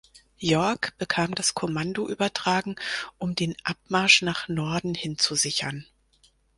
Yorck bekam das Kommando übertragen, um den Abmarsch nach Norden hin zu sichern.